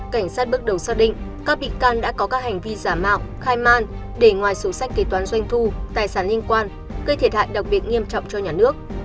cảnh sát bước đầu xác định các bị can đã có các hành vi giả mạo khai man để ngoài sổ sách kế toán doanh thu tài sản liên quan gây thiệt hại đặc biệt nghiêm trọng cho nhà nước